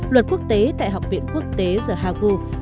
luật quốc tế tại học viện quốc tế the hagu